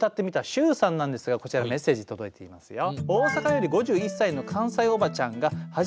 しゅさんなんですがこちらメッセージ届いていますよ。